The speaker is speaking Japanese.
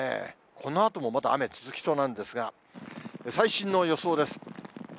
このあともまた雨続きそうなんですが、最新の予想です。